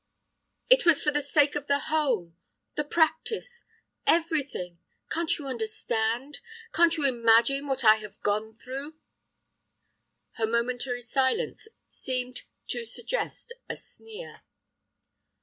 "It was for the sake of the home, the practice, everything. Can't you understand? Can't you imagine what I have gone through?" Her momentary silence seemed to suggest a sneer.